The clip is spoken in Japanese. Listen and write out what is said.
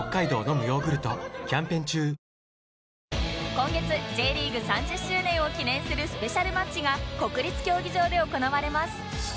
今月 Ｊ リーグ３０周年を記念するスペシャルマッチが国立競技場で行われます